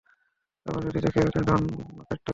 আবার যদি দেখি এনে, ধোন কাইট্টা দিমু।